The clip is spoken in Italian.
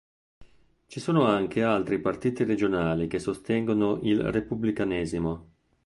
Ci sono anche altri partiti regionali che sostengono il repubblicanesimo.